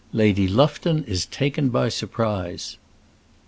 LADY LUFTON IS TAKEN BY SURPRISE.